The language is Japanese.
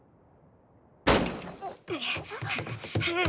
・あっ？